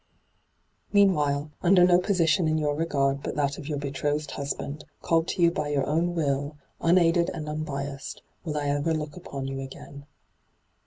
' Meanwhile, under no position in your r^ard but that of your betrothed husband, called to you by your own will, unaided hyGoogIc ENTRAPPED 277 and UQbiasBed, will I ever look upon you again.